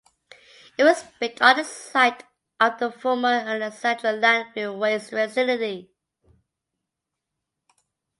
It was built on the site of the former Alexandria Landfill waste facility.